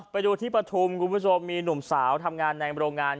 ไปดูที่ปฐุมคุณผู้ชมมีหนุ่มสาวทำงานในโรงงาน